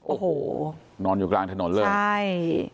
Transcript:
โอ้โหนอนอยู่กลางถนนเลยใช่